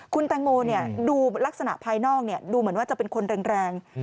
คุณแตงโมดูลักษณะภายนอกดูเหมือนว่าจะเป็นคนแรง